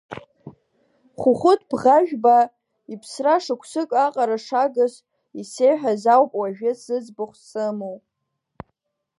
Хәыхәыт Бӷажәба иԥсра шықәсык аҟара шагыз исеиҳәаз ауп уажәы зыӡбахә сымоу.